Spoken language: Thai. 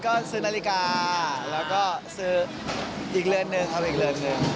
ก็ซื้อนาฬิกาแล้วก็ซื้ออีกเรือนหนึ่งทำอีกเรือนหนึ่ง